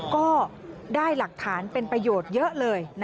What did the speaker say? ก็ได้หลักฐานเป็นประโยชน์เยอะเลย